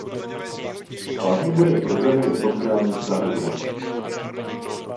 Hlavní bodem programu je "sociální spravedlnost".